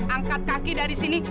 angkat kaki dari sini